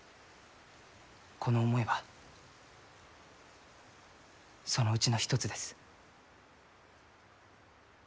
この思いはそのうちの一つです。